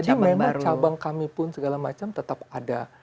jadi memang cabang kami pun segala macam tetap ada